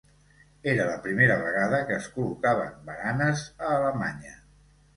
Era la primera vegada que es col·locaven baranes a Alemanya.